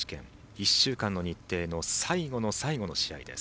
１週間の日程の最後の最後の試合です。